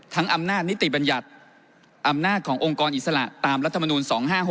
ทั้งอำนาจนิติบรรยัตน์อำนาจขององค์กรอิสระตามรัฐมนตร์๒๕๖๐